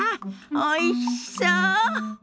おいしそう！